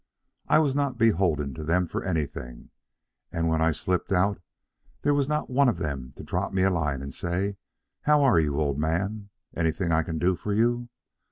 I was not beholden to them for anything, and when I slipped out there was not one of them to drop me a line and say, 'How are you, old man? Anything I can do for you?'